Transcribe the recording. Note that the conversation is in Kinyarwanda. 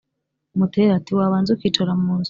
Mutera ati"wabanza ukicara munzu"